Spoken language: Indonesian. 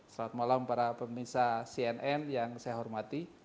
selamat malam para pemirsa cnn yang saya hormati